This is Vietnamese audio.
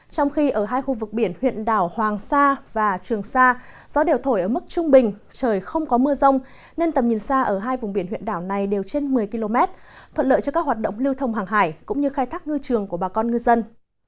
trong khi ở hai khu vực biển huyện đảo hoàng sa gió đều thổi ở mức trung bình trời không có mưa rông nên tầm nhìn xa ở hai vùng biển huyện đảo này đều trên một mươi km thuận lợi cho các hoạt động lưu thông hàng hải cũng như khai thác ngư dân